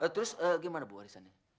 terus gimana bu warisannya